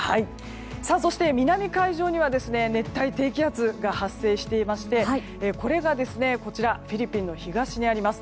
そして南海上には熱帯低気圧が発生していましてこれがフィリピンの東にあります。